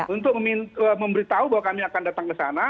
untuk memberitahu bahwa kami akan datang ke sana